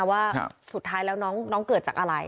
ว่าสุดท้ายแล้วน้องเกิดจากอะไร